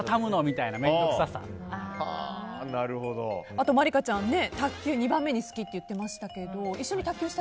あと茉莉花ちゃん卓球が２番目に好きって言ってましたけど。